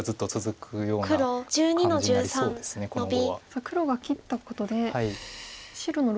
さあ黒が切ったことで白の６子も。